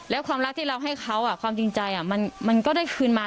แล้วความรักที่เราให้เขาความจริงใจมันก็ได้คืนมา